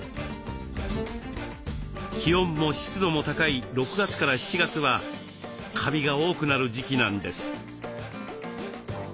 気温も湿度も高い６月から７月はカビが多くなる時期なんです。